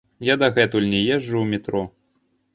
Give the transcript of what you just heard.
Я дагэтуль не езджу ў метро.